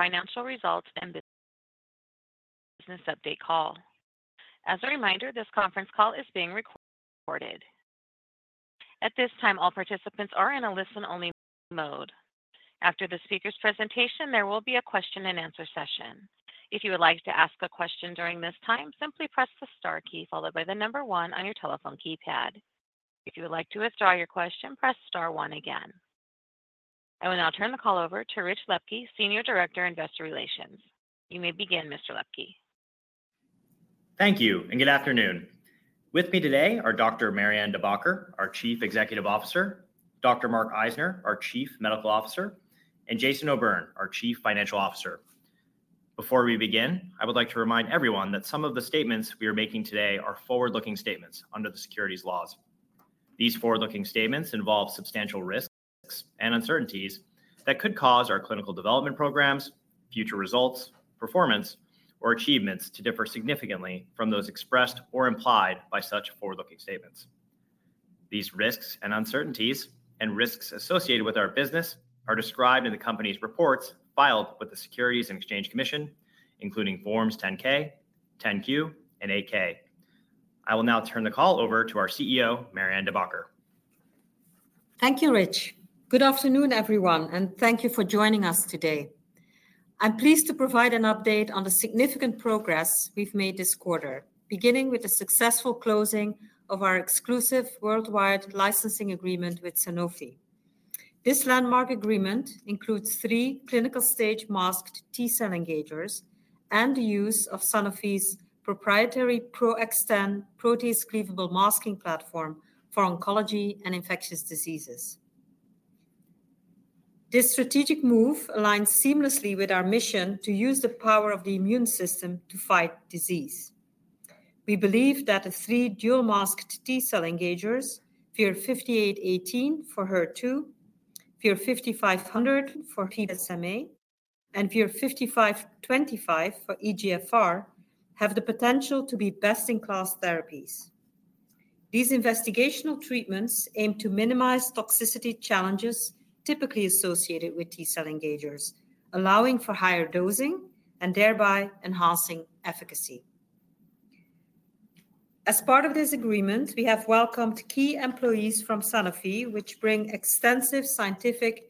Financial results and business update call. As a reminder, this conference call is being recorded. At this time, all participants are in a listen-only mode. After the speaker's presentation, there will be a question-and-answer session. If you would like to ask a question during this time, simply press the star key followed by the number one on your telephone keypad. If you would like to withdraw your question, press star one again. I will now turn the call over to Rich Lepke, Senior Director, Investor Relations. You may begin, Mr. Lepke. Thank you, and good afternoon. With me today are Dr. Marianne De Backer, our Chief Executive Officer, Dr. Mark Eisner, our Chief Medical Officer, and Jason O'Byrne, our Chief Financial Officer. Before we begin, I would like to remind everyone that some of the statements we are making today are forward-looking statements under the securities laws. These forward-looking statements involve substantial risks and uncertainties that could cause our clinical development programs, future results, performance, or achievements to differ significantly from those expressed or implied by such forward-looking statements. These risks and uncertainties and risks associated with our business are described in the company's reports filed with the Securities and Exchange Commission, including Forms 10-K, 10-Q, and 8-K. I will now turn the call over to our CEO, Marianne De Backer. Thank you, Rich. Good afternoon, everyone, and thank you for joining us today. I'm pleased to provide an update on the significant progress we've made this quarter, beginning with the successful closing of our exclusive worldwide licensing agreement with Sanofi. This landmark agreement includes three clinical-stage masked T-cell engagers and the use of Sanofi's proprietary PRO-XTEN protease cleavable masking platform for oncology and infectious diseases. This strategic move aligns seamlessly with our mission to use the power of the immune system to fight disease. We believe that the three dual-masked T-cell engagers, VIR-5818 for HER2, VIR-5500 for PSMA, and VIR-5525 for EGFR, have the potential to be best-in-class therapies. These investigational treatments aim to minimize toxicity challenges typically associated with T-cell engagers, allowing for higher dosing and thereby enhancing efficacy. As part of this agreement, we have welcomed key employees from Sanofi, which bring extensive scientific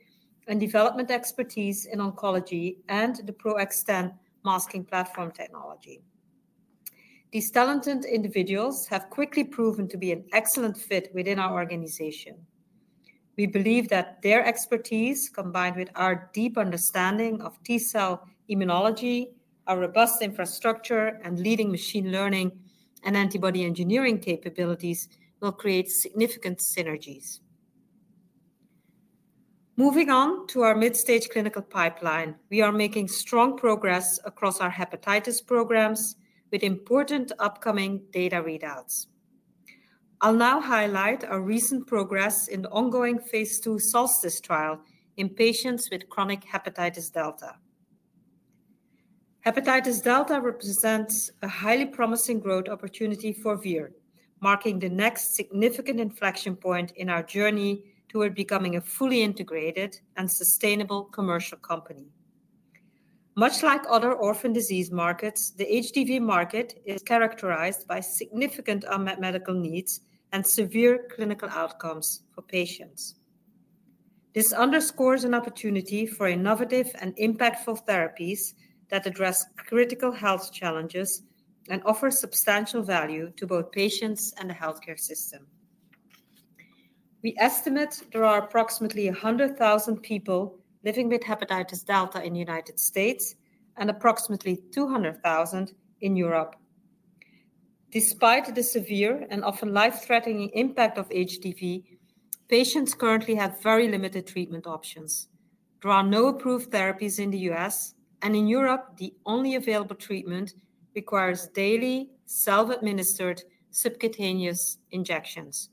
and development expertise in oncology and the PRO-XTEN masking platform technology. These talented individuals have quickly proven to be an excellent fit within our organization. We believe that their expertise, combined with our deep understanding of T-cell immunology, our robust infrastructure, and leading machine learning and antibody engineering capabilities, will create significant synergies. Moving on to our mid-stage clinical pipeline, we are making strong progress across our hepatitis programs with important upcoming data readouts. I'll now highlight our recent progress in the ongoing phase II SOLSTICE trial in patients with chronic hepatitis delta. Hepatitis delta represents a highly promising growth opportunity for Vir, marking the next significant inflection point in our journey toward becoming a fully integrated and sustainable commercial company. Much like other orphan disease markets, the HDV market is characterized by significant unmet medical needs and severe clinical outcomes for patients. This underscores an opportunity for innovative and impactful therapies that address critical health challenges and offer substantial value to both patients and the healthcare system. We estimate there are approximately 100,000 people living with hepatitis delta in the United States and approximately 200,000 in Europe. Despite the severe and often life-threatening impact of HDV, patients currently have very limited treatment options. There are no approved therapies in the U.S., and in Europe, the only available treatment requires daily self-administered subcutaneous injections,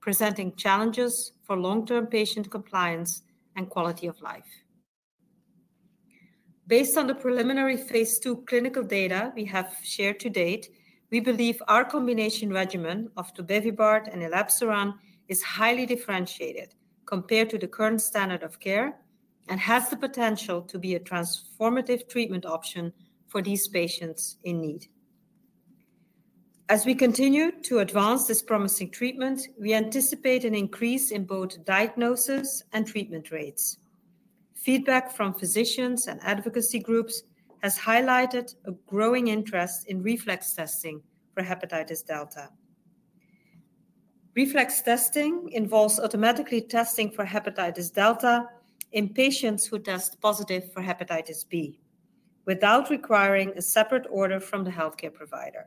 presenting challenges for long-term patient compliance and quality of life. Based on the preliminary phase II clinical data we have shared to date, we believe our combination regimen of Tobevibart and Elebsiran is highly differentiated compared to the current standard of care and has the potential to be a transformative treatment option for these patients in need. As we continue to advance this promising treatment, we anticipate an increase in both diagnosis and treatment rates. Feedback from physicians and advocacy groups has highlighted a growing interest in reflex testing for hepatitis delta. Reflex testing involves automatically testing for hepatitis delta in patients who test positive for hepatitis B without requiring a separate order from the healthcare provider.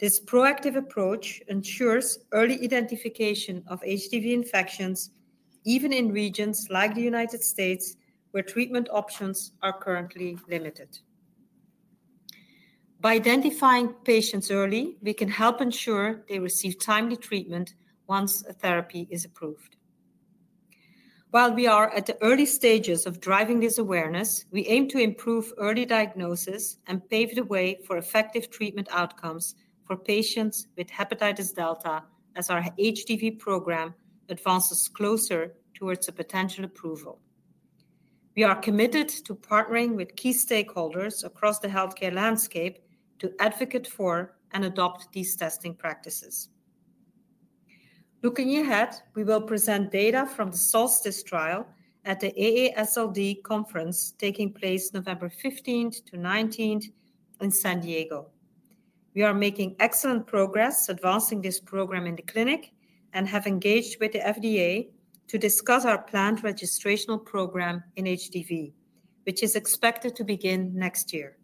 This proactive approach ensures early identification of HDV infections, even in regions like the United States, where treatment options are currently limited. By identifying patients early, we can help ensure they receive timely treatment once a therapy is approved. While we are at the early stages of driving this awareness, we aim to improve early diagnosis and pave the way for effective treatment outcomes for patients with hepatitis delta as our HDV program advances closer towards a potential approval. We are committed to partnering with key stakeholders across the healthcare landscape to advocate for and adopt these testing practices. Looking ahead, we will present data from the SOLSTICE trial at the AASLD conference taking place November 15th to 19th in San Diego. We are making excellent progress advancing this program in the clinic and have engaged with the FDA to discuss our planned registration program in HDV, which is expected to begin next year.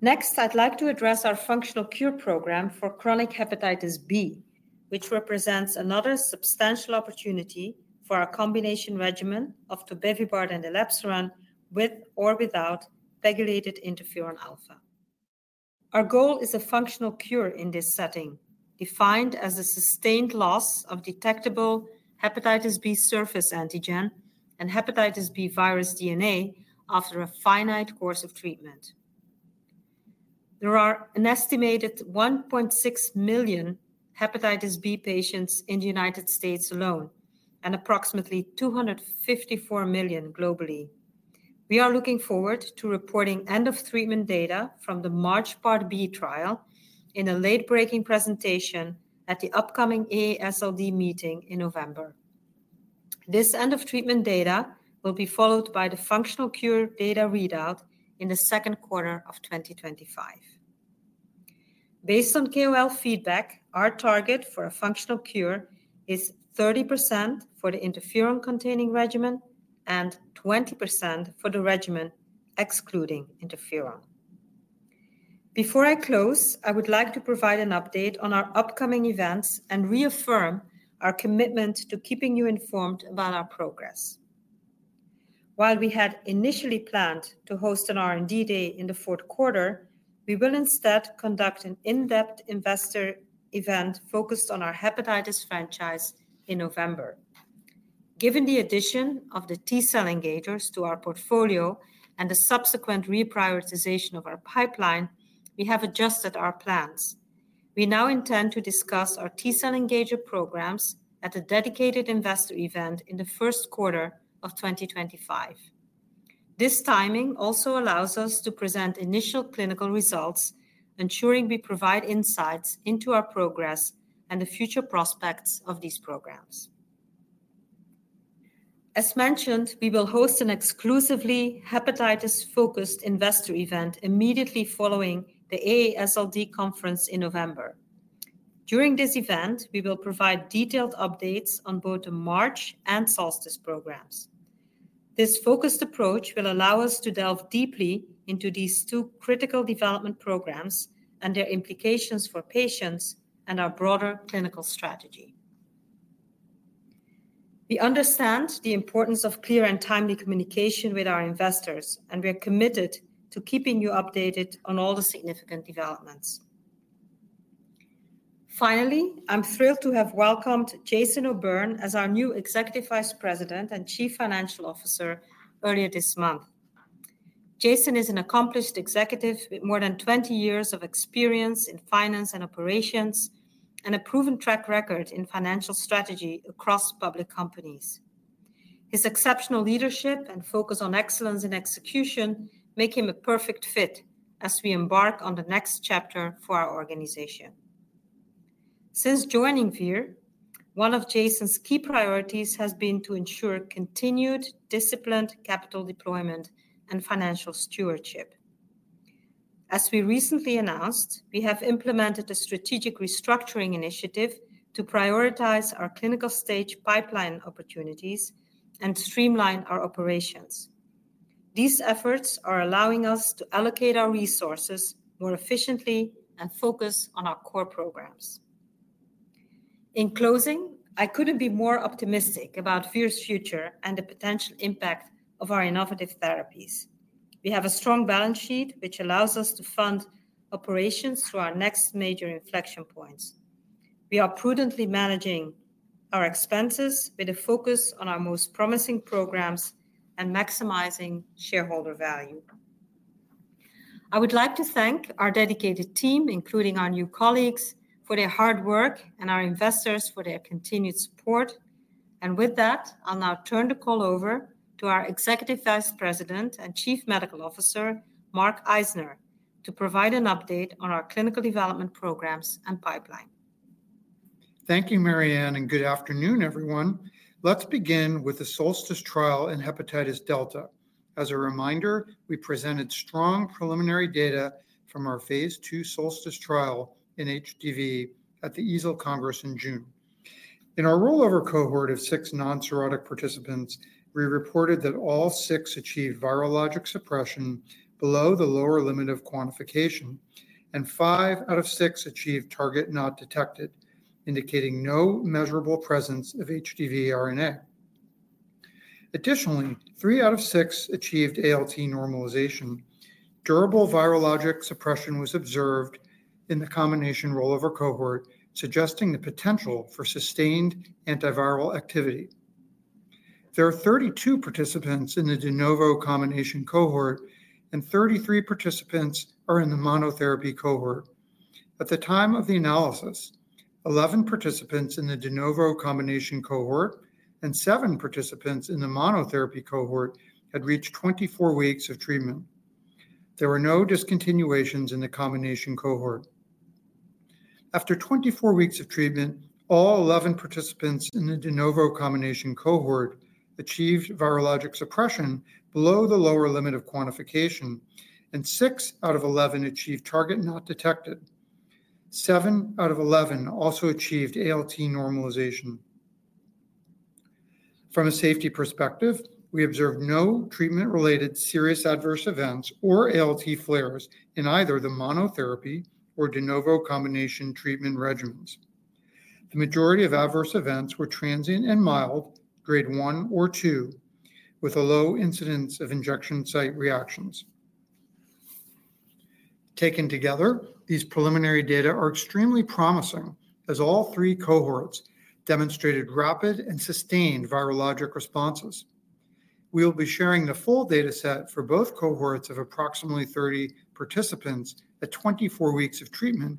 Next, I'd like to address our functional cure program for chronic hepatitis B, which represents another substantial opportunity for our combination regimen of Tobevibart and Elebsiran with or without pegylated interferon alpha. Our goal is a functional cure in this setting, defined as a sustained loss of detectable hepatitis B surface antigen and hepatitis B virus DNA after a finite course of treatment. There are an estimated 1.6 million hepatitis B patients in the United States alone and approximately 254 million globally. We are looking forward to reporting end-of-treatment data from the MARCH Part B trial in a late-breaking presentation at the upcoming AASLD meeting in November. This end-of-treatment data will be followed by the functional cure data readout in the Q2 of 2025. Based on KOL feedback, our target for a functional cure is 30% for the interferon-containing regimen and 20% for the regimen excluding interferon. Before I close, I would like to provide an update on our upcoming events and reaffirm our commitment to keeping you informed about our progress. While we had initially planned to host an R&D day in the Q4, we will instead conduct an in-depth investor event focused on our hepatitis franchise in November. Given the addition of the T-cell engagers to our portfolio and the subsequent reprioritization of our pipeline, we have adjusted our plans. We now intend to discuss our T-cell engager programs at a dedicated investor event in the Q1 of 2025. This timing also allows us to present initial clinical results, ensuring we provide insights into our progress and the future prospects of these programs. As mentioned, we will host an exclusively hepatitis-focused investor event immediately following the AASLD conference in November. During this event, we will provide detailed updates on both the MARCH and SOLSTICE programs. This focused approach will allow us to delve deeply into these two critical development programs and their implications for patients and our broader clinical strategy. We understand the importance of clear and timely communication with our investors, and we are committed to keeping you updated on all the significant developments. Finally, I'm thrilled to have welcomed Jason O’Byrne as our new Executive Vice President and Chief Financial Officer earlier this month. Jason is an accomplished executive with more than 20 years of experience in finance and operations and a proven track record in financial strategy across public companies. His exceptional leadership and focus on excellence in execution make him a perfect fit as we embark on the next chapter for our organization. Since joining Vir, one of Jason's key priorities has been to ensure continued disciplined capital deployment and financial stewardship. As we recently announced, we have implemented a strategic restructuring initiative to prioritize our clinical-stage pipeline opportunities and streamline our operations. These efforts are allowing us to allocate our resources more efficiently and focus on our core programs. In closing, I couldn't be more optimistic about Vir's future and the potential impact of our innovative therapies. We have a strong balance sheet, which allows us to fund operations through our next major inflection points. We are prudently managing our expenses with a focus on our most promising programs and maximizing shareholder value. I would like to thank our dedicated team, including our new colleagues, for their hard work and our investors for their continued support. With that, I'll now turn the call over to our Executive Vice President and Chief Medical Officer, Mark Eisner, to provide an update on our clinical development programs and pipeline. Thank you, Marianne, and good afternoon, everyone. Let's begin with the SOLSTICE trial in hepatitis delta. As a reminder, we presented strong preliminary data from our phase II SOLSTICE trial in HDV at the EASL Congress in June. In our rollover cohort of six non-cirrhotic participants, we reported that all six achieved virologic suppression below the lower limit of quantification, and five out of six achieved target not detected, indicating no measurable presence of HDV RNA. Additionally, three out of six achieved ALT normalization. Durable virologic suppression was observed in the combination rollover cohort, suggesting the potential for sustained antiviral activity. There are 32 participants in the de novo combination cohort, and 33 participants are in the monotherapy cohort. At the time of the analysis, 11 participants in the de novo combination cohort and 7 participants in the monotherapy cohort had reached 24 weeks of treatment. There were no discontinuations in the combination cohort. After 24 weeks of treatment, all 11 participants in the de novo combination cohort achieved virologic suppression below the lower limit of quantification, and six out of 11 achieved target not detected. Seven out of 11 also achieved ALT normalization. From a safety perspective, we observed no treatment-related serious adverse events or ALT flares in either the monotherapy or de novo combination treatment regimens. The majority of adverse events were transient and mild, grade 1 or 2, with a low incidence of injection site reactions. Taken together, these preliminary data are extremely promising as all three cohorts demonstrated rapid and sustained virologic responses. We will be sharing the full dataset for both cohorts of approximately 30 participants at 24 weeks of treatment,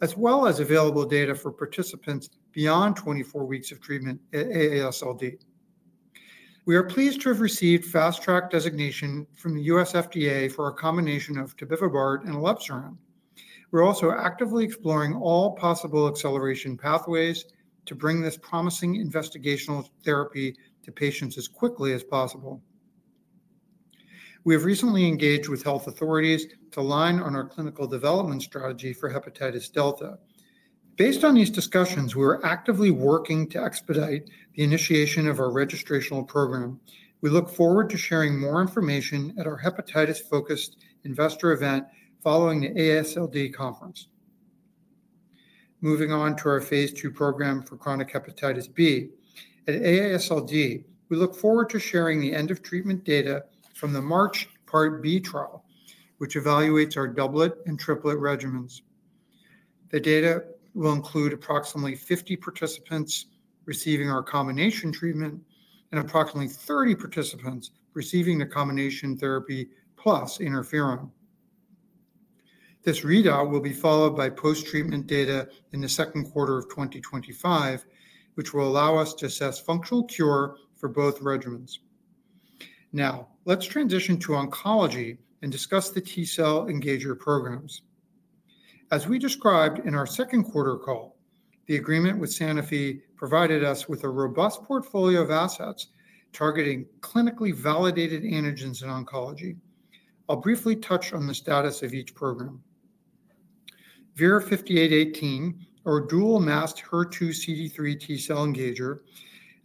as well as available data for participants beyond 24 weeks of treatment at AASLD. We are pleased to have received fast-track designation from the U.S. FDA for our combination of Tobevibart and Elebsiran. We're also actively exploring all possible acceleration pathways to bring this promising investigational therapy to patients as quickly as possible. We have recently engaged with health authorities to align on our clinical development strategy for Hepatitis delta. Based on these discussions, we are actively working to expedite the initiation of our registrational program. We look forward to sharing more information at our hepatitis-focused investor event following the AASLD conference. Moving on to our phase II program for chronic Hepatitis B. At AASLD, we look forward to sharing the end-of-treatment data from the MARCH Part B trial, which evaluates our doublet and triplet regimens. The data will include approximately 50 participants receiving our combination treatment and approximately 30 participants receiving the combination therapy plus interferon. This readout will be followed by post-treatment data in the Q2 of 2025, which will allow us to assess functional cure for both regimens. Now, let's transition to oncology and discuss the T-cell engager programs. As we described in our Q2 call, the agreement with Sanofi provided us with a robust portfolio of assets targeting clinically validated antigens in oncology. I'll briefly touch on the status of each program. VIR-5818, our dual-masked HER2 CD3 T-cell engager,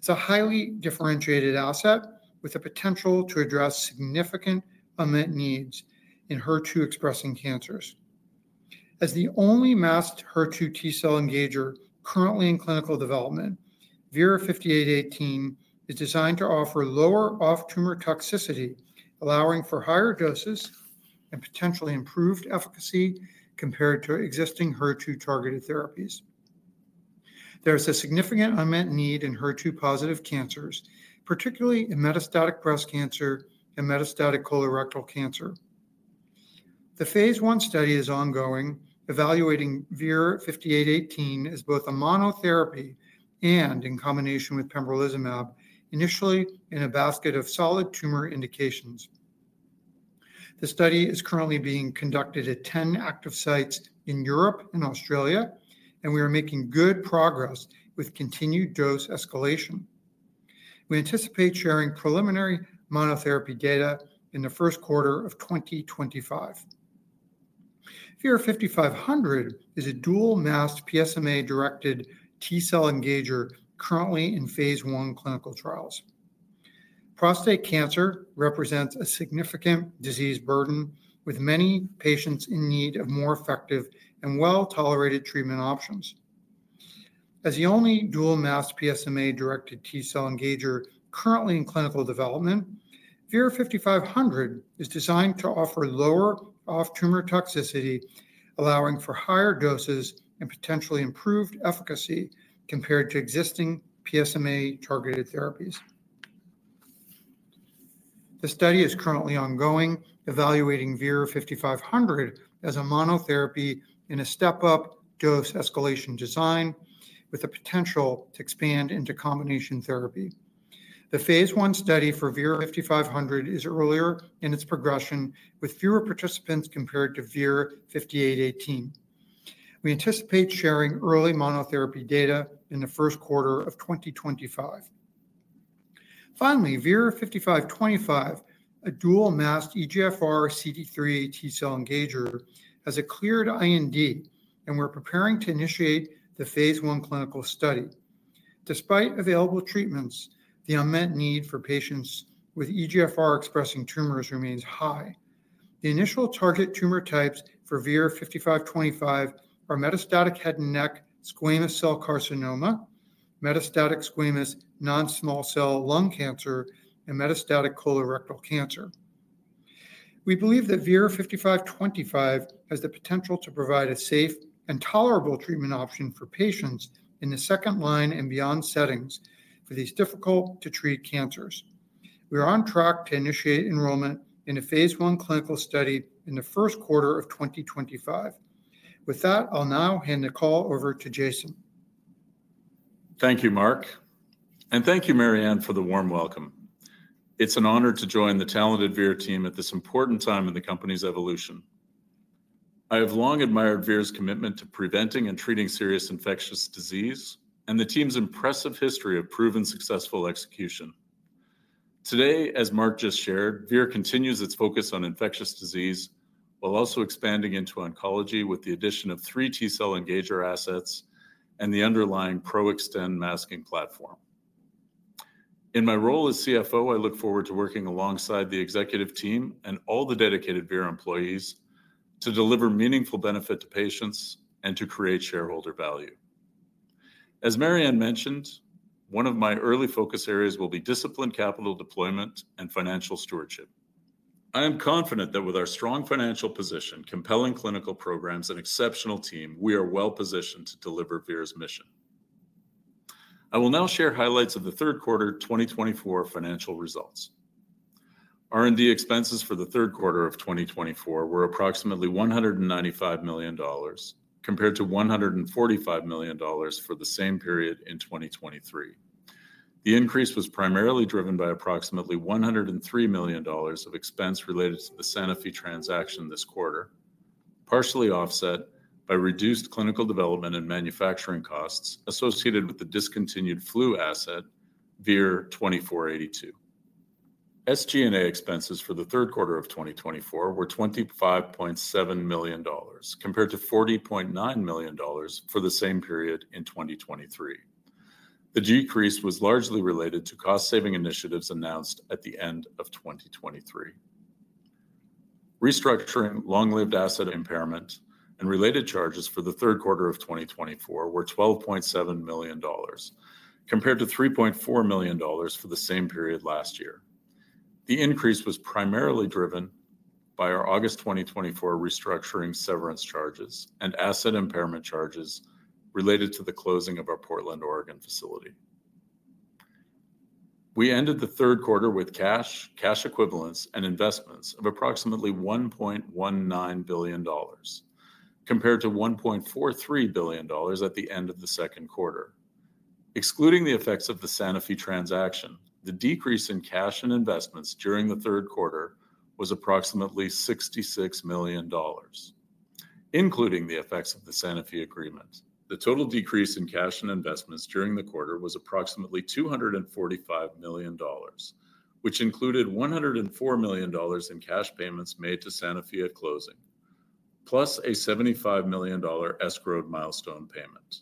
is a highly differentiated asset with the potential to address significant unmet needs in HER2-expressing cancers. As the only masked HER2 T-cell engager currently in clinical development, VIR-5818 is designed to offer lower off-tumor toxicity, allowing for higher doses and potentially improved efficacy compared to existing HER2-targeted therapies. There is a significant unmet need in HER2-positive cancers, particularly in metastatic breast cancer and metastatic colorectal cancer. The phase I study is ongoing, evaluating VIR-5818 as both a monotherapy and in combination with pembrolizumab, initially in a basket of solid tumor indications. The study is currently being conducted at 10 active sites in Europe and Australia, and we are making good progress with continued dose escalation. We anticipate sharing preliminary monotherapy data in the Q1 of 2025. VIR-5500 is a dual-masked PSMA-directed T-cell engager currently in phase I clinical trials. Prostate cancer represents a significant disease burden, with many patients in need of more effective and well-tolerated treatment options. As the only dual-masked PSMA-directed T-cell engager currently in clinical development, VIR-5500 is designed to offer lower off-tumor toxicity, allowing for higher doses and potentially improved efficacy compared to existing PSMA-targeted therapies. The study is currently ongoing, evaluating VIR-5500 as a monotherapy in a step-up dose escalation design with the potential to expand into combination therapy. The phase I study for VIR-5500 is earlier in its progression, with fewer participants compared to VIR-5818. We anticipate sharing early monotherapy data in the Q1 of 2025. Finally, VIR-5525, a dual-masked EGFR CD3 T-cell engager, has a cleared IND, and we're preparing to initiate the phase I clinical study. Despite available treatments, the unmet need for patients with EGFR-expressing tumors remains high. The initial target tumor types for VIR-5525 are metastatic head and neck squamous cell carcinoma, metastatic squamous non-small cell lung cancer, and metastatic colorectal cancer. We believe that VIR-5525 has the potential to provide a safe and tolerable treatment option for patients in the second line and beyond settings for these difficult-to-treat cancers. We are on track to initiate enrollment in a phase I clinical study in the Q1 of 2025. With that, I'll now hand the call over to Jason. Thank you, Mark, and thank you, Marianne, for the warm welcome. It's an honor to join the talented Vir team at this important time in the company's evolution. I have long admired Vir's commitment to preventing and treating serious infectious disease and the team's impressive history of proven successful execution. Today, as Mark just shared, Vir continues its focus on infectious disease while also expanding into oncology with the addition of three T-cell engager assets and the underlying PRO-XTEN masking platform. In my role as CFO, I look forward to working alongside the executive team and all the dedicated Vir employees to deliver meaningful benefit to patients and to create shareholder value. As Marianne mentioned, one of my early focus areas will be disciplined capital deployment and financial stewardship. I am confident that with our strong financial position, compelling clinical programs, and exceptional team, we are well-positioned to deliver Vir's mission. I will now share highlights of the Q3 2024 financial results. R&D expenses for the Q3 of 2024 were approximately $195 million compared to $145 million for the same period in 2023. The increase was primarily driven by approximately $103 million of expense related to the Sanofi transaction this quarter, partially offset by reduced clinical development and manufacturing costs associated with the discontinued flu asset, VIR-2482. SG&A expenses for the Q3 of 2024 were $25.7 million compared to $40.9 million for the same period in 2023. The decrease was largely related to cost-saving initiatives announced at the end of 2023. Restructuring long-lived asset impairment and related charges for the Q3 of 2024 were $12.7 million compared to $3.4 million for the same period last year. The increase was primarily driven by our August 2024 restructuring severance charges and asset impairment charges related to the closing of our Portland, Oregon facility. We ended the Q3 with cash, cash equivalents, and investments of approximately $1.19 billion compared to $1.43 billion at the end of the Q2. Excluding the effects of the Sanofi transaction, the decrease in cash and investments during the Q3 was approximately $66 million, including the effects of the Sanofi agreement. The total decrease in cash and investments during the quarter was approximately $245 million, which included $104 million in cash payments made to Sanofi at closing, plus a $75 million escrowed milestone payment.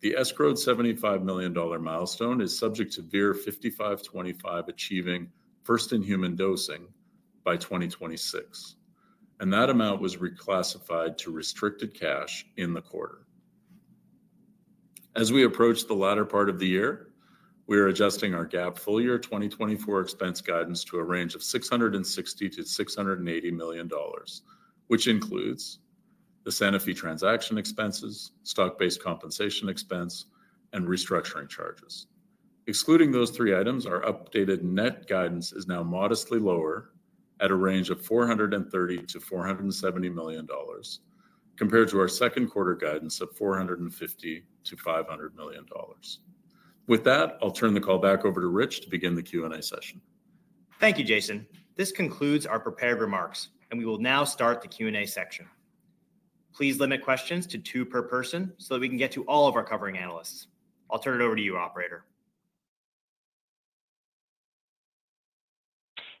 The escrowed $75 million milestone is subject to VIR-5525 achieving first-in-human dosing by 2026, and that amount was reclassified to restricted cash in the quarter. As we approach the latter part of the year, we are adjusting our GAAP full year 2024 expense guidance to a range of $660-$680 million, which includes the Sanofi transaction expenses, stock-based compensation expense, and restructuring charges. Excluding those three items, our updated net guidance is now modestly lower at a range of $430-$470 million compared to our Q2 guidance of $450-$500 million. With that, I'll turn the call back over to Rich to begin the Q&A session. Thank you, Jason. This concludes our prepared remarks, and we will now start the Q&A section. Please limit questions to two per person so that we can get to all of our covering analysts. I'll turn it over to you, Operator.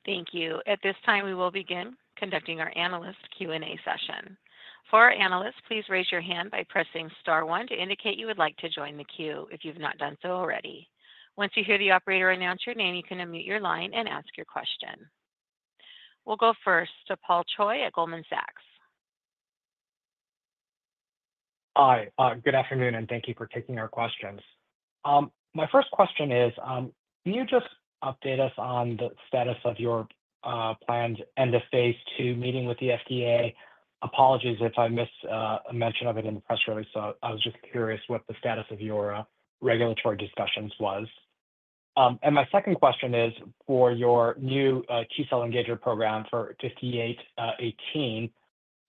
Thank you. At this time, we will begin conducting our analyst Q&A session. For our analysts, please raise your hand by pressing star one to indicate you would like to join the queue if you've not done so already. Once you hear the operator announce your name, you can unmute your line and ask your question. We'll go first to Paul Choi at Goldman Sachs. Hi. Good afternoon, and thank you for taking our questions. My first question is, can you just update us on the status of your planned end-of-phase two meeting with the FDA? Apologies if I missed a mention of it in the press release. So I was just curious what the status of your regulatory discussions was. And my second question is for your new T-cell engager program for 5818.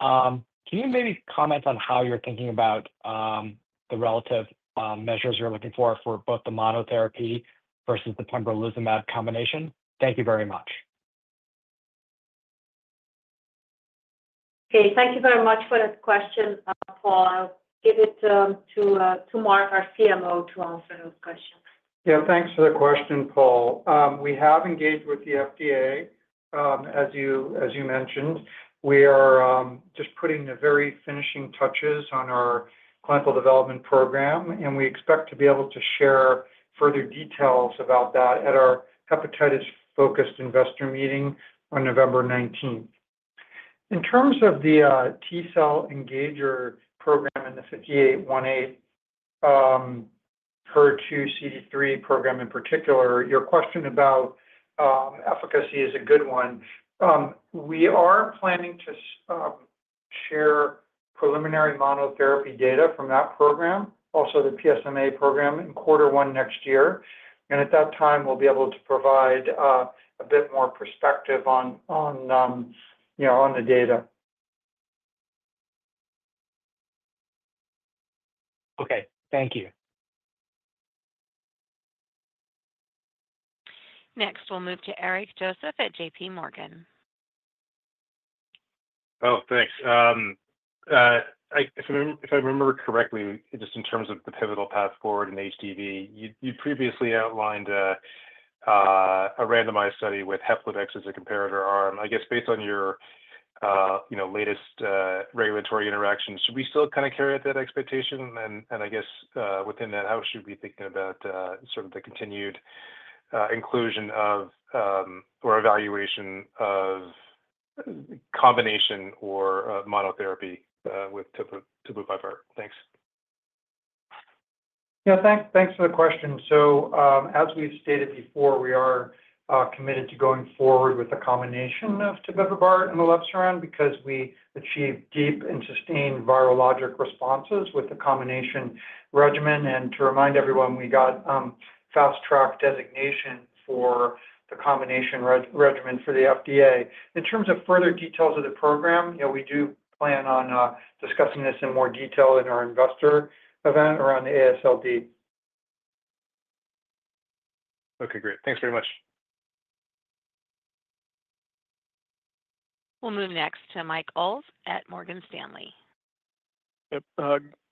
Can you maybe comment on how you're thinking about the relative measures you're looking for for both the monotherapy versus the Pembrolizumab combination? Thank you very much. Okay. Thank you very much for that question, Paul. I'll give it to Mark, our CMO, to answer those questions. Yeah. Thanks for the question, Paul. We have engaged with the FDA, as you mentioned. We are just putting the very finishing touches on our clinical development program, and we expect to be able to share further details about that at our hepatitis-focused investor meeting on November 19th. In terms of the T-cell engager program and the 5818 HER2 CD3 program in particular, your question about efficacy is a good one. We are planning to share preliminary monotherapy data from that program, also the PSMA program, in quarter one next year, and at that time, we'll be able to provide a bit more perspective on the data. Okay. Thank you. Next, we'll move to Eric Joseph at JPMorgan. Oh, thanks. If I remember correctly, just in terms of the pivotal path forward in HDV, you previously outlined a randomized study with Hepcludex as a comparator arm. I guess based on your latest regulatory interactions, should we still kind of carry out that expectation? And I guess within that, how should we be thinking about sort of the continued inclusion of or evaluation of combination or monotherapy with Tobevibart? Thanks. Yeah. Thanks for the question. So as we've stated before, we are committed to going forward with the combination of Tobevibart and Elebsiran because we achieve deep and sustained virologic responses with the combination regimen. And to remind everyone, we got fast-track designation for the combination regimen for the FDA. In terms of further details of the program, we do plan on discussing this in more detail in our investor event around the AASLD. Okay. Great. Thanks very much. We'll move next to Michael Ulz at Morgan Stanley. Yep.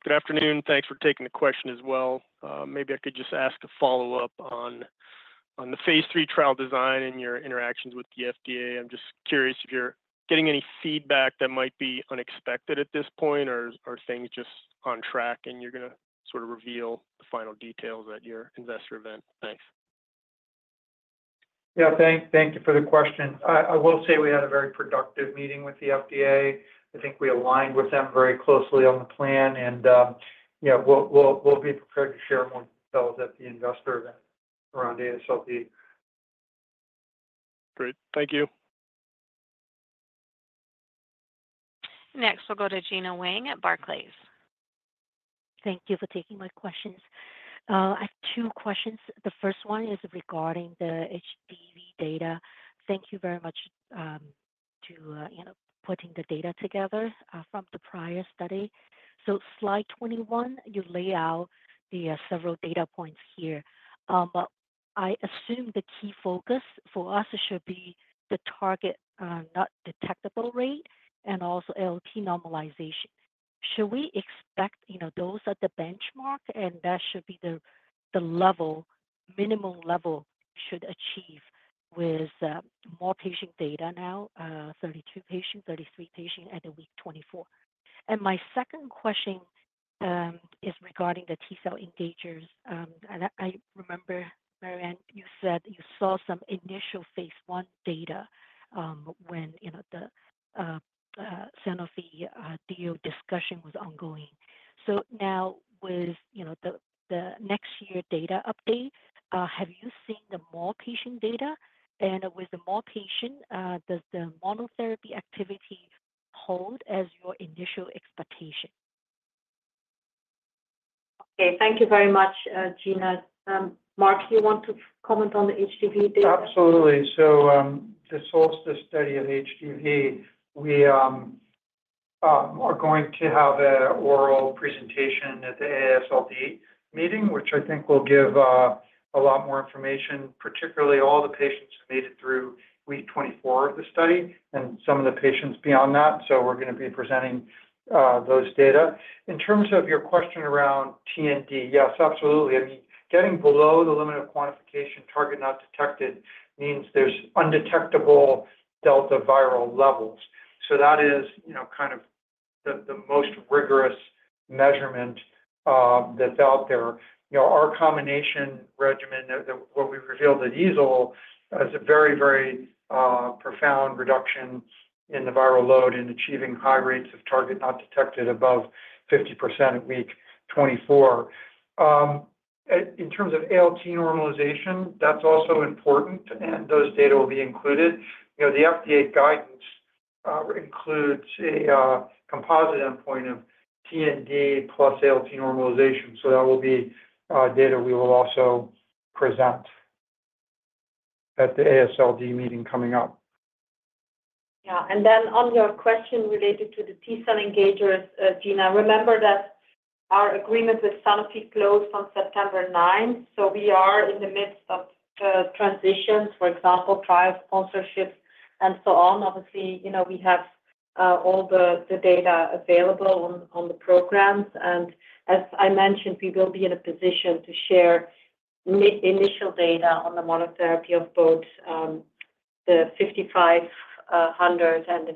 Good afternoon. Thanks for taking the question as well. Maybe I could just ask a follow-up on the phase three trial design and your interactions with the FDA. I'm just curious if you're getting any feedback that might be unexpected at this point, or are things just on track and you're going to sort of reveal the final details at your investor event? Thanks. Yeah. Thank you for the question. I will say we had a very productive meeting with the FDA. I think we aligned with them very closely on the plan. And we'll be prepared to share more details at the investor event around AASLD. Great. Thank you. Next, we'll go to Gena Wang at Barclays. Thank you for taking my questions. I have two questions. The first one is regarding the HDV data. Thank you very much for putting the data together from the prior study. So slide 21, you lay out the several data points here. I assume the key focus for us should be the target not detected rate, and also ALT normalization. Should we expect those are the benchmark, and that should be the minimum level should achieve with more patient data now, 32 patients, 33 patients at the week 24? And my second question is regarding the T-cell engagers. And I remember, Marianne, you said you saw some initial phase one data when the Sanofi deal discussion was ongoing. So now with the next year data update, have you seen the more patient data? And with the more patient, does the monotherapy activity hold as your initial expectation? Okay. Thank you very much, Gena. Mark, do you want to comment on the HDV data? Absolutely. To source the study of HDV, we are going to have an oral presentation at the AASLD meeting, which I think will give a lot more information, particularly all the patients who made it through week 24 of the study and some of the patients beyond that. We're going to be presenting those data. In terms of your question around TND, yes, absolutely. I mean, getting below the limit of quantification target not detected means there's undetectable delta viral levels. That is kind of the most rigorous measurement that's out there. Our combination regimen, what we revealed at EASL, has a very, very profound reduction in the viral load and achieving high rates of target not detected above 50% at week 24. In terms of ALT normalization, that's also important, and those data will be included. The FDA guidance includes a composite endpoint of TND plus ALT normalization. So that will be data we will also present at the AASLD meeting coming up. Yeah. And then on your question related to the T-cell engagers, Gena, remember that our agreement with Sanofi closed on September 9th. So we are in the midst of transitions, for example, trial sponsorships and so on. Obviously, we have all the data available on the programs. And as I mentioned, we will be in a position to share initial data on the monotherapy of both the 5818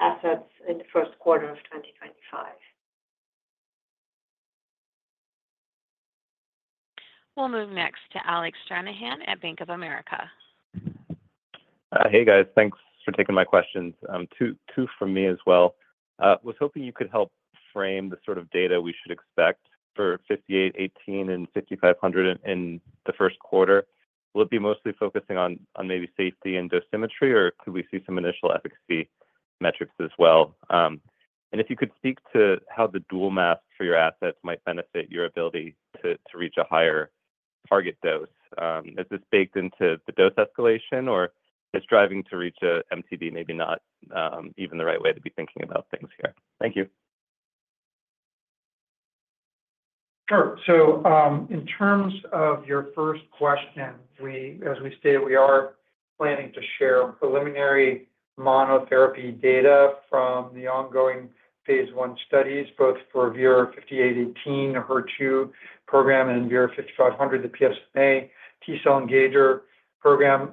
assets in the Q1 of 2025. We'll move next to Alec Stranahan at Bank of America. Hey, guys. Thanks for taking my questions. Two from me as well. I was hoping you could help frame the sort of data we should expect for 5818 and 5500 in the Q1. Will it be mostly focusing on maybe safety and dosimetry, or could we see some initial efficacy metrics as well? And if you could speak to how the dual mask for your assets might benefit your ability to reach a higher target dose? Is this baked into the dose escalation, or is driving to reach MTD maybe not even the right way to be thinking about things here? Thank you. Sure. So in terms of your first question, as we stated, we are planning to share preliminary monotherapy data from the ongoing phase one studies, both for VIR-5818, the HER2 program, and VIR-5500, the PSMA T-cell engager program.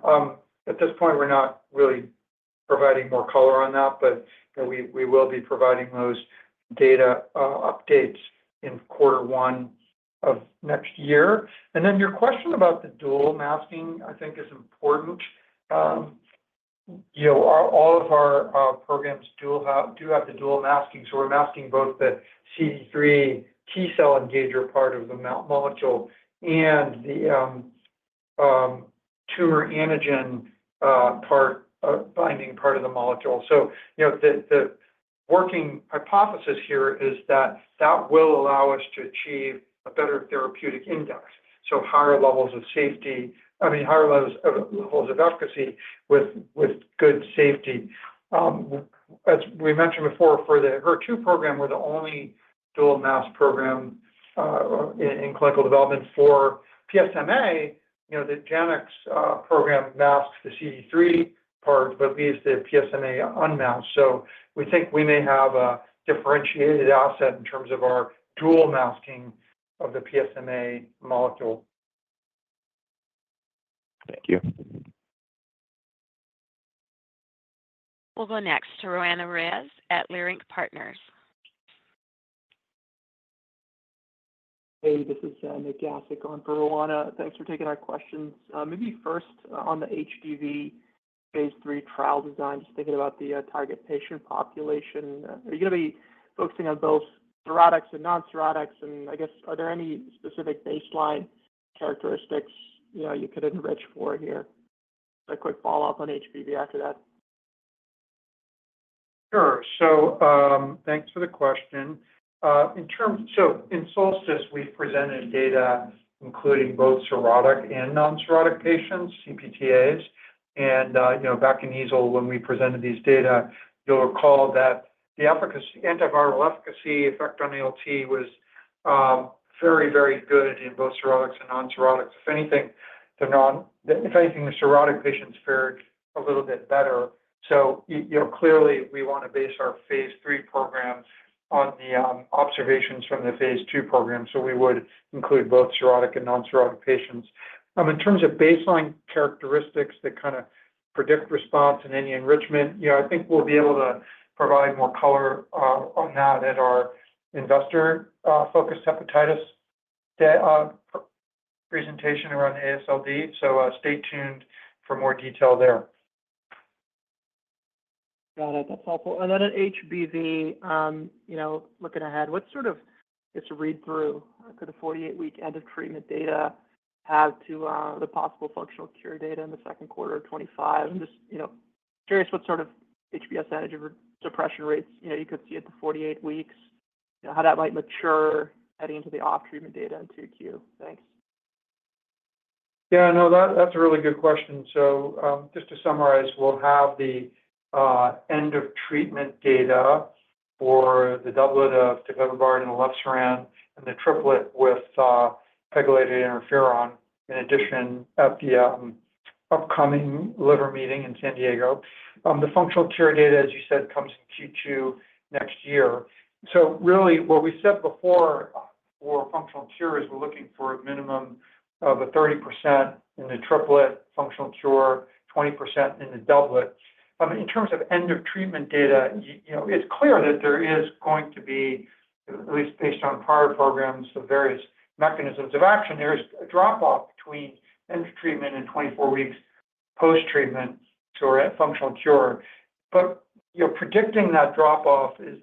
At this point, we're not really providing more color on that, but we will be providing those data updates in quarter one of next year. And then your question about the dual masking, I think, is important. All of our programs do have the dual masking. So we're masking both the CD3 T-cell engager part of the molecule and the tumor antigen binding part of the molecule. So the working hypothesis here is that that will allow us to achieve a better therapeutic index, so higher levels of safety, I mean, higher levels of efficacy with good safety. As we mentioned before, for the HER2 program, we're the only dual mask program in clinical development for PSMA. The Janux program masks the CD3 part, but we use the PSMA unmasked. So we think we may have a differentiated asset in terms of our dual masking of the PSMA molecule. Thank you. We'll go next to Roanna Ruiz at Leerink Partners. Hey, this is Nick Gasic on for Roanna. Thanks for taking our questions. Maybe first on the HDV phase three trial design, just thinking about the target patient population, are you going to be focusing on both cirrhotics and non-cirrhotics? And I guess, are there any specific baseline characteristics you could enrich for here? A quick follow-up on HBV after that. Sure. So thanks for the question. So in SOLSTICE, we've presented data including both cirrhotic and non-cirrhotic patients, CPT-A. And back in EASL, when we presented these data, you'll recall that the antiviral efficacy effect on ALT was very, very good in both cirrhotics and non-cirrhotics. If anything, the cirrhotic patients fared a little bit better. So clearly, we want to base our phase three program on the observations from the phase two program. So we would include both cirrhotic and non-cirrhotic patients. In terms of baseline characteristics that kind of predict response and any enrichment, I think we'll be able to provide more color on that at our investor-focused hepatitis presentation around AASLD. So stay tuned for more detail there. Got it. That's helpful. And then at HBV, looking ahead, it's a read-through to the 48-week end of treatment data as to the possible functional cure data in the Q2 of 2025? I'm just curious what sort of HBs antigen suppression rates you could see at the 48 weeks, how that might mature heading into the off-treatment data in Q2. Thanks. Yeah. No, that's a really good question. So just to summarize, we'll have the end-of-treatment data for the doublet of Tobevibart and Elebsiran and the triplet with pegylated interferon in addition at the upcoming liver meeting in San Diego. The functional cure data, as you said, comes in Q2 next year, so really, what we said before for functional cure is we're looking for a minimum of a 30% in the triplet, functional cure 20% in the doublet. In terms of end-of-treatment data, it's clear that there is going to be, at least based on prior programs of various mechanisms of action, there's a drop-off between end-of-treatment and 24 weeks post-treatment to our functional cure, but predicting that drop-off is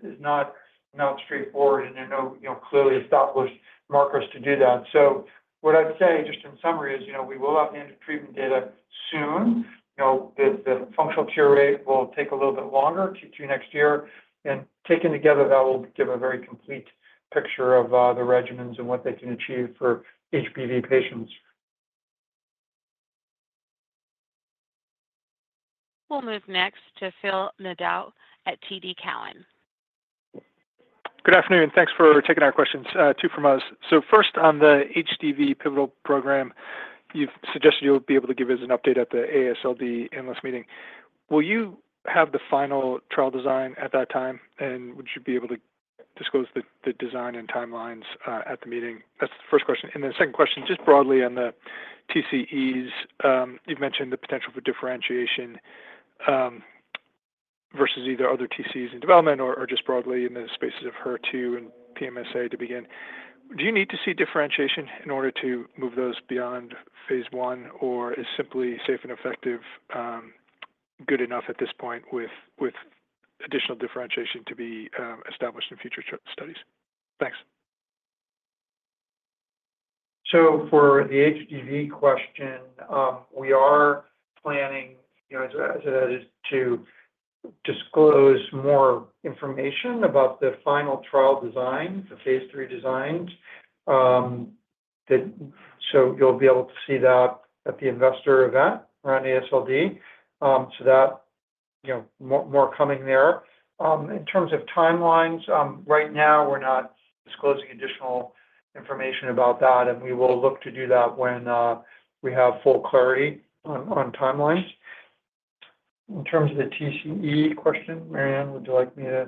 not straightforward, and there are no clearly established markers to do that, so what I'd say just in summary is we will have the end-of-treatment data soon. The functional cure rate will take a little bit longer, Q2 next year, and taken together, that will give a very complete picture of the regimens and what they can achieve for HBV patients. We'll move next to Phil Nadeau at TD Cowen. Good afternoon. Thanks for taking our questions. Two from us. So first, on the HDV pivotal program, you've suggested you'll be able to give us an update at the AASLD analyst meeting. Will you have the final trial design at that time, and would you be able to disclose the design and timelines at the meeting? That's the first question. And then second question, just broadly on the TCEs, you've mentioned the potential for differentiation versus either other TCEs in development or just broadly in the spaces of HER2 and PSMA to begin. Do you need to see differentiation in order to move those beyond phase one, or is simply safe and effective good enough at this point with additional differentiation to be established in future studies? Thanks. For the HDV question, we are planning, as I added, to disclose more information about the final trial design, the phase three designs. You'll be able to see that at the investor event around AASLD. More coming there. In terms of timelines, right now, we're not disclosing additional information about that, and we will look to do that when we have full clarity on timelines. In terms of the TCE question, Marianne, would you like me to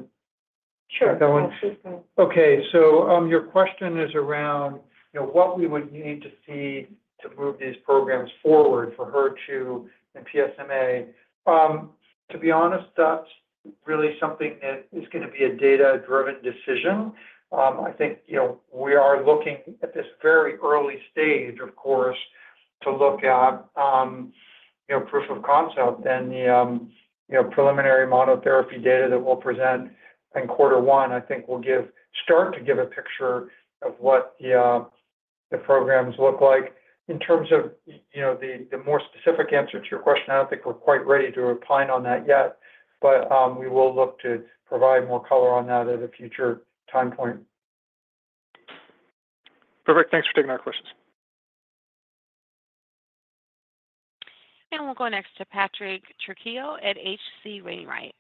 take that one? Sure. Absolutely. Okay. So your question is around what we would need to see to move these programs forward for HER2 and PSMA. To be honest, that's really something that is going to be a data-driven decision. I think we are looking at this very early stage, of course, to look at proof of concept. And the preliminary monotherapy data that we'll present in quarter one, I think, will start to give a picture of what the programs look like. In terms of the more specific answer to your question, I don't think we're quite ready to opine on that yet, but we will look to provide more color on that at a future time point. Perfect. Thanks for taking our questions. We'll go next to Patrick Trucchio at H.C. Wainwright.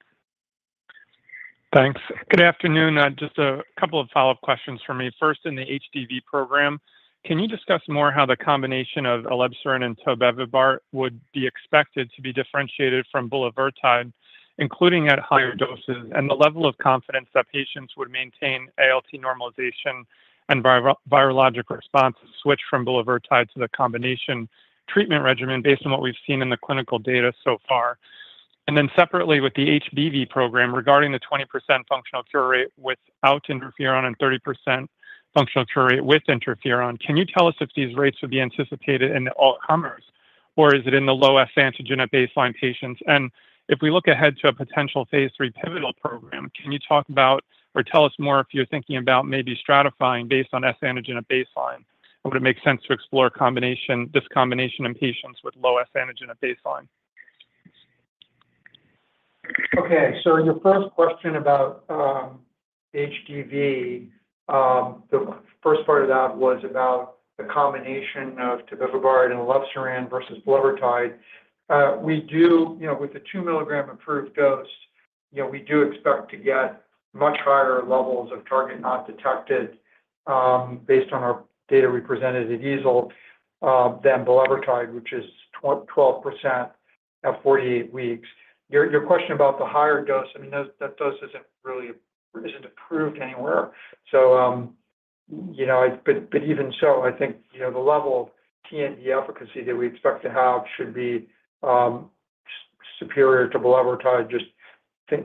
Thanks. Good afternoon. Just a couple of follow-up questions for me. First, in the HDV program, can you discuss more how the combination of Elebsiran and Tobevibart would be expected to be differentiated from Bulevirtide, including at higher doses, and the level of confidence that patients would maintain ALT normalization and virologic response to switch from Bulevirtide to the combination treatment regimen based on what we've seen in the clinical data so far? And then separately, with the HBV program, regarding the 20% functional cure rate without interferon and 30% functional cure rate with interferon, can you tell us if these rates would be anticipated in the all comers, or is it in the low S-antigen at baseline patients? And if we look ahead to a potential phase three pivotal program, can you talk about or tell us more if you're thinking about maybe stratifying based on S-antigen at baseline? Would it make sense to explore this combination in patients with low S-antigen at baseline? Okay. So your first question about HDV, the first part of that was about the combination of Tobevibart and Elebsiran versus Bulevirtide. With the two-milligram approved dose, we do expect to get much higher levels of target not detected based on our data we presented at EASL than Bulevirtide, which is 12% at 48 weeks. Your question about the higher dose, I mean, that dose isn't approved anywhere. But even so, I think the level of TND efficacy that we expect to have should be superior to Bulevirtide, just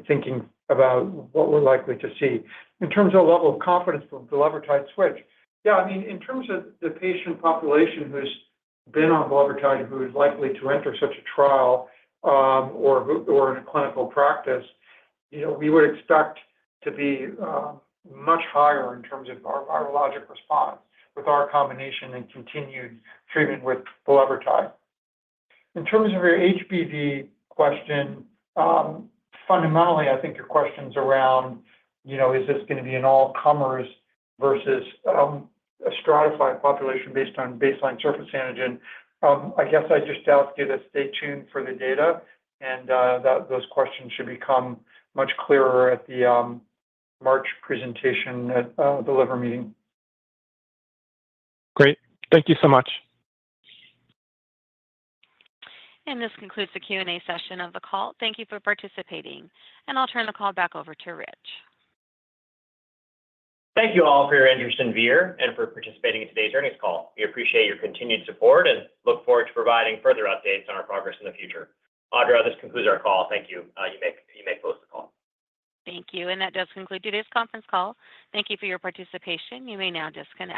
thinking about what we're likely to see. In terms of level of confidence from Bulevirtide switch, yeah, I mean, in terms of the patient population who's been on Bulevirtide, who is likely to enter such a trial or in a clinical practice, we would expect to be much higher in terms of our virologic response with our combination and continued treatment with Bulevirtide. In terms of your HBV question, fundamentally, I think your question's around, is this going to be an all-comers versus a stratified population based on baseline surface antigen? I guess I just ask you to stay tuned for the data, and those questions should become much clearer at the March presentation at the liver meeting. Great. Thank you so much. This concludes the Q&A session of the call. Thank you for participating. I'll turn the call back over to Rich. Thank you all for your interest in Vir and for participating in today's earnings call. We appreciate your continued support and look forward to providing further updates on our progress in the future. Audra, this concludes our call. Thank you. You may close the call. Thank you. That does conclude today's conference call. Thank you for your participation. You may now disconnect.